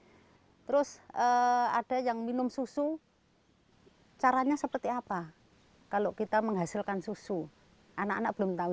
ya terus ada yang minum susu caranya seperti apa kalau kita menghasilkan susu anak anak belum tahu